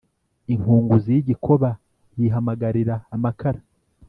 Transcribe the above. Inkunguzi y'igikoba yihamagarira amakara